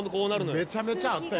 めちゃめちゃあったよ